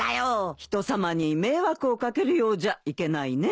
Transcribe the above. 人さまに迷惑を掛けるようじゃいけないね。